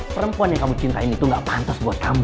perempuan yang kamu cintain itu enggak pantas buat kamu